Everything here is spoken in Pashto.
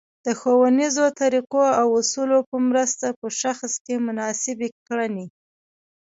د ښونیزو طریقو او اصولو په مرسته په شخص کې مناسبې کړنې